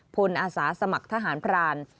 อาสาสมัครทหารพราน